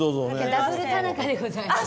ダブル田中でございます。